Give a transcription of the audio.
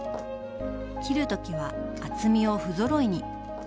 切る時は厚みをふぞろいに。